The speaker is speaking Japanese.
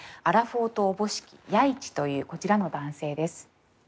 アラフォーとおぼしき弥一というこちらの男性です。